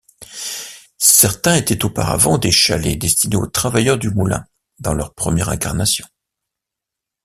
Certains étaient auparavant des chalets destinés aux travailleurs du moulin, dans leur première incarnation.